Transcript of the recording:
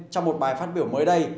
trong một bài phát biểu mới đây